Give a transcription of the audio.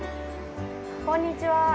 こんにちは。